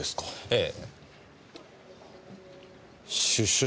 ええ。